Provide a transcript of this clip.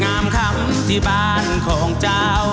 คำที่บ้านของเจ้า